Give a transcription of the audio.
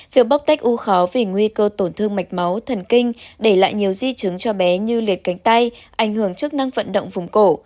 việc bóc tách u khó vì nguy cơ tổn thương mạch máu thần kinh để lại nhiều di chứng cho bé như liệt cánh tay ảnh hưởng chức năng vận động vùng cổ